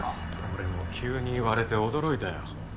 俺も急に言われて驚いたよ。